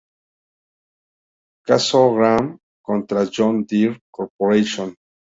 Caso Graham contra John Deere Co.